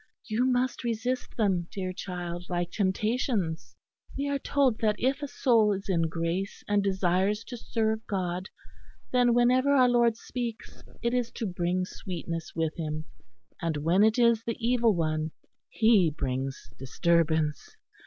You must resist them, dear child, like temptations. We are told that if a soul is in grace and desires to serve God, then whenever our Lord speaks it is to bring sweetness with Him; and when it is the evil one, he brings disturbance.